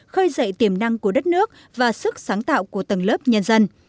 khơi dậy tiềm năng của đất nước và sức sáng tạo của tầng lớp nhân dân